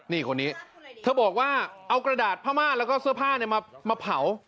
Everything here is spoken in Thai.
นี่คนนี้เธอบอกว่าเอากระดาษผ้าม่าแล้วก็เสื้อผ้ามาเผา